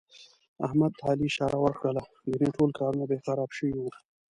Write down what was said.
احمد ته علي اشاره ور کړله، ګني ټول کارونه به یې خراب شوي وو.